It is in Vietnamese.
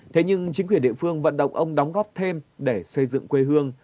thế nhưng chính quyền địa phương vận động ông đóng góp thêm để xây dựng quê hương